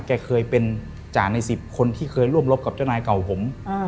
แกเคยเป็นจ่าใน๑๐คนที่เคยร่วมรบกับเจ้านายเก่าผม